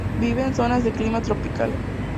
Viven en zonas de clima tropical.